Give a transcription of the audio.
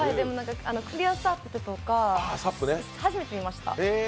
クリアＳＵＰとか初めて見ました。